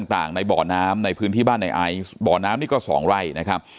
ต่างในบ่อน้ำในพื้นที่บ้านในไอซ์บ่อน้ำนี่ก็สองไร่นะครับ